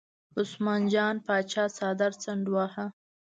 عثمان جان پاچا څادر څنډ واهه.